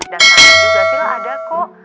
dan sama juga sila ada kok